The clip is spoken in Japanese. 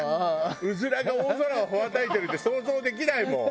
うずらが大空を羽ばたいてるって想像できないもん。